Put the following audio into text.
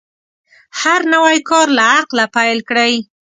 هر نوی کار له عقله پیل کړئ.